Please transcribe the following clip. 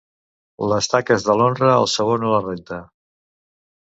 Les taques de l'honra, el sabó no les renta.